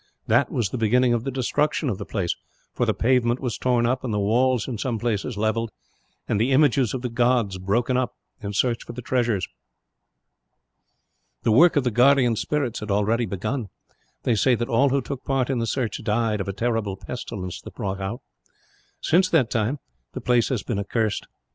That was the beginning of the destruction of the place; for the pavement was torn up, and the walls in some places levelled, and the images of the gods broken up in search for the treasures. "The work of the guardian spirits had already begun. They say that all who took part in the search died, of a terrible pestilence that broke out. Since that time, the place has been accursed.